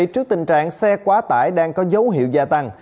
trước tình trạng xe quá tải đang có dấu hiệu gia tăng